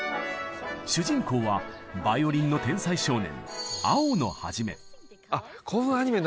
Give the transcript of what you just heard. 主人公はバイオリンの天才少年